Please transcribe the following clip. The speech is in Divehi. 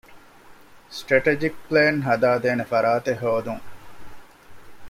ސްޓްރެޓެޖިކް ޕްލޭން ހަދާދޭނެ ފަރާތެއް ހޯދުން